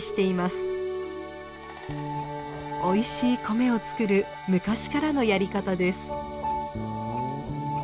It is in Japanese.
おいしい米をつくる昔からのやり方です。